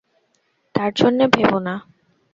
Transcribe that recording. তাঁর জন্যে ভেবো না।